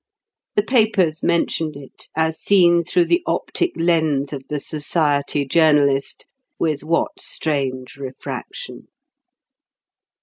The papers mentioned it, as seen through the optic lens of the society journalist, with what strange refraction.